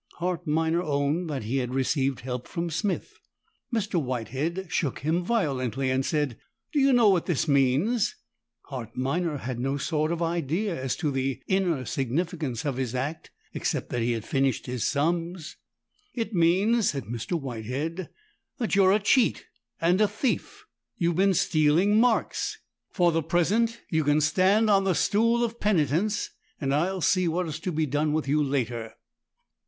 Hart Minor owned that he had received help from Smith. Mr. Whitehead shook him violently, and said, "Do you know what this means?" Hart Minor had no sort of idea as to the inner significance of his act, except that he had finished his sums. "It means," said Mr. Whitehead, "that you're a cheat and a thief: you've been stealing marks. For the present you can stand on the stool of penitence and I'll see what is to be done with you later."